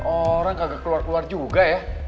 orang kagak keluar keluar juga ya